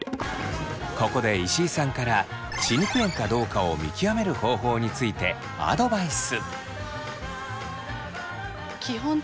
ここで石井さんから歯肉炎かどうかを見極める方法についてアドバイス。